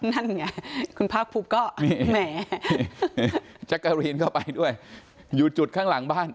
นั่นไงคุณภาคภูมิก็แหมแจ๊กกะรีนเข้าไปด้วยอยู่จุดข้างหลังบ้าน